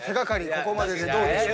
ここまででどうでしょう？